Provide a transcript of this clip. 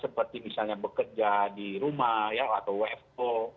seperti misalnya bekerja di rumah atau wfo